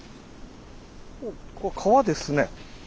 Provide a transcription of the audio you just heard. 川ですね。